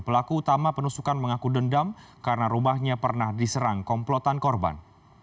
pelaku utama penusukan mengaku dendam karena rumahnya pernah diserang komplotan korban